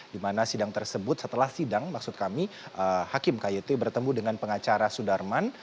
di mana sidang tersebut setelah sidang maksud kami hakim kyt bertemu dengan pengacara sudarman